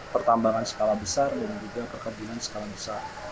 pertambangan skala besar dan juga perkebunan skala besar